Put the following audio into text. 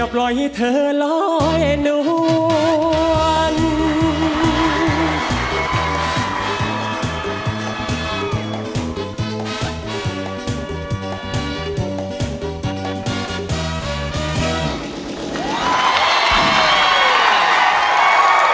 โปรดติดตามตอนต่อไป